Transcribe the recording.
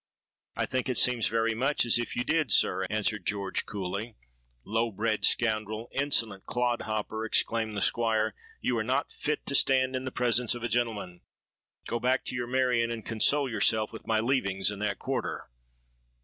'—'I think it seems very much as if you did, sir,' answered George coolly.—'Low bred scoundrel, insolent clod hopper!' exclaimed the Squire: 'you are not fit to stand in the presence of a gentleman. Go back to your Marion, and console yourself with my leavings in that quarter!'